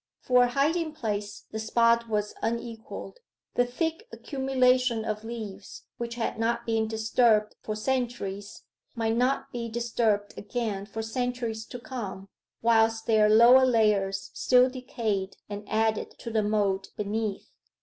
For a hiding place the spot was unequalled. The thick accumulation of leaves, which had not been disturbed for centuries, might not be disturbed again for centuries to come, whilst their lower layers still decayed and added to the mould beneath.